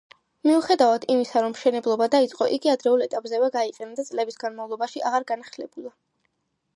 მიუხედავად იმისა, რომ მშენებლობა დაიწყო, იგი ადრეულ ეტაპზევე გაიყინა და წლების განმავლობაში აღარ განახლებულა.